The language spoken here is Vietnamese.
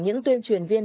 những tuyên truyền viên